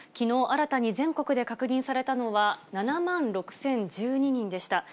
新たに全国で確認されたのは、７万６０１２人でした。